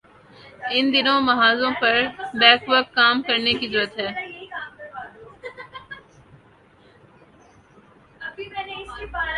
ان دونوں محاذوں پر بیک وقت کام کرنے کی ضرورت ہے۔